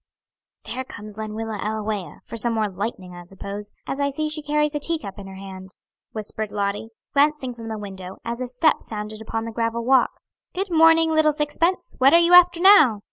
"There comes Lenwilla Ellawea; for some more light'ning, I suppose, as I see she carries a teacup in her hand," whispered Lottie, glancing from the window, as a step sounded upon the gravel walk. "Good morning, little sixpence; what are you after now?"